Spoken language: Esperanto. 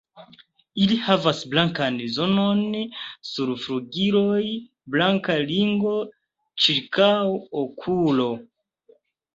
Ili havas blankan zonon sur flugiloj, blanka ringo ĉirkaŭ okulo.